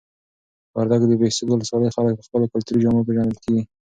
د وردګو د بهسود ولسوالۍ خلک په خپلو کلتوري جامو پیژندل کیږي.